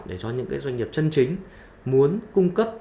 để cho những doanh nghiệp chân chính muốn cung cấp